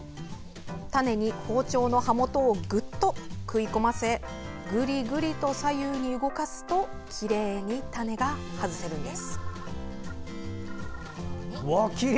種に包丁の刃元をグッと食い込ませぐりぐりと左右に動かすときれいに種が外せるんです。